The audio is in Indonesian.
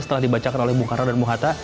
setelah dibacakan oleh bung karno dan bung hatta